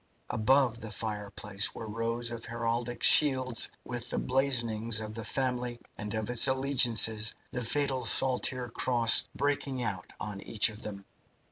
Above the fireplace were rows of heraldic shields with the blazonings of the family and of its alliances, the fatal saltire cross breaking out on each of them.